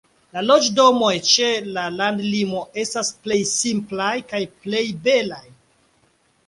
La loĝdomoj ĉe landlimo estas plej simplaj kaj plej belaj.